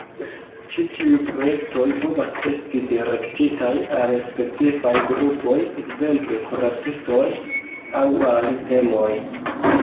Ĉi tiuj projektoj povas esti direktitaj al specifaj grupoj (ekzemple kuracistoj) aŭ al temoj.